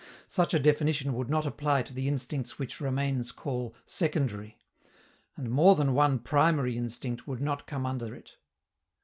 Such a definition would not apply to the instincts which Romanes called "secondary"; and more than one "primary" instinct would not come under it.